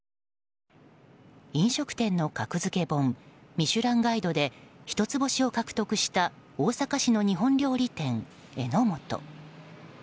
飲食店の格付け本「ミシュランガイド」で一つ星を獲得した大阪市の日本料理店、榎本。